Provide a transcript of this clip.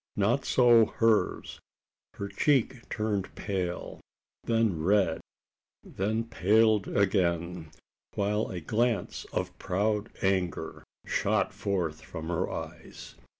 Not so hers. Her cheek turned pale then red then paled again; while a glance of proud anger shot forth from her eyes!